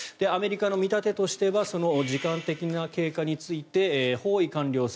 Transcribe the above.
アメリカの見立てとしてはその時間的な経過について包囲完了